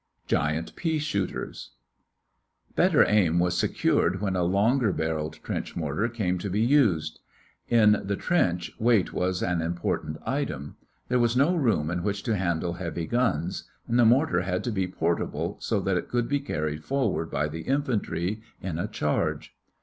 GIANT PEA SHOOTERS Better aim was secured when a longer barreled trench mortar came to be used. In the trench, weight was an important item. There was no room in which to handle heavy guns, and the mortar had to be portable so that it could be carried forward by the infantry in a charge.